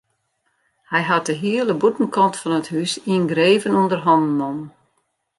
Hy hat de hiele bûtenkant fan it hús yngreven ûnder hannen nommen.